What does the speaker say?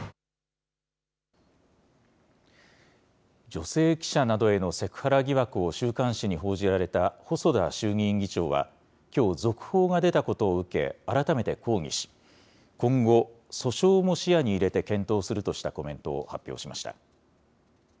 女性記者などへのセクハラ疑惑を週刊誌に報じられた細田衆議院議長は、きょう、続報が出たことを受け、改めて抗議し、今後、訴訟も視野に入れて検討するとしたコメントを発表しました。